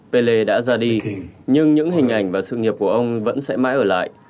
pelle đã ra đi nhưng những hình ảnh và sự nghiệp của ông vẫn sẽ mãi ở lại